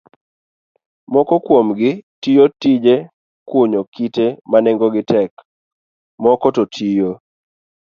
Moko kuomgi tiyo tij kunyo kite ma nengogi tek, moko to tiyo